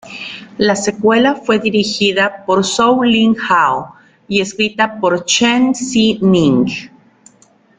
La secuela fue dirigida por Zhou Lin Hao y escrita por Shen Zhi Ning.